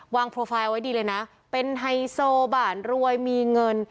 โปรไฟล์เอาไว้ดีเลยนะเป็นไฮโซบานรวยมีเงิน